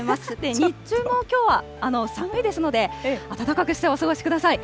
日中もきょうは寒いですので、暖かくしてお過ごしください。